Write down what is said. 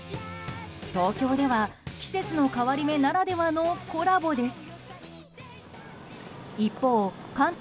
東京では季節の変わり目ならではのコラボです。